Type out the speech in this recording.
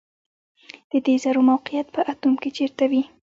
د دې ذرو موقعیت په اتوم کې چیرته وي